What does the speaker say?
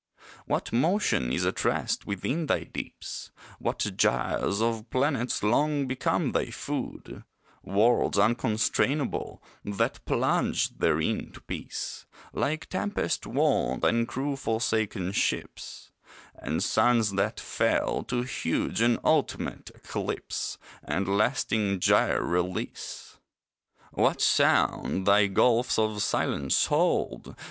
What motion is at rest within thy deeps What gyres of planets long become thy food Worlds unconstrainable, That plunged therein to peace, Like tempest worn and crew forsaken ships; And suns that fell To huge and ultimate eclipse, And lasting gyre release! What sound thy gulfs of silence hold!